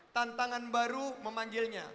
tantangan baru memanggilnya